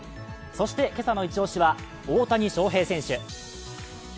そして今朝のイチ押しは大谷翔平選手。